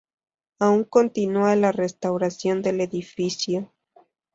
Aún continúa la restauración del edificio.